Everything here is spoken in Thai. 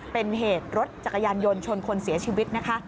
เป็นเหตุรถจักรยานยนต์ชนคนเสียชีวิตนะคะ